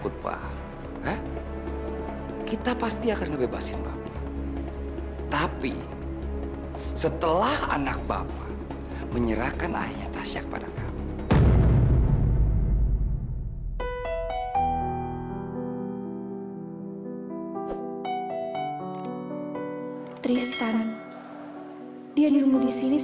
dia sampai tidurin kayak gitu